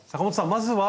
まずは。